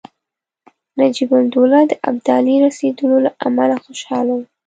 نجیب الدوله د ابدالي د رسېدلو له امله خوشاله وو.